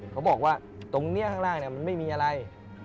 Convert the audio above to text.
เขาบอกว่าตรงนี้ข้างล่างมันไม่มีอะไร